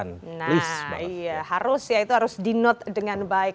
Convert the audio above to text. nah iya harus ya itu harus dinot dengan baik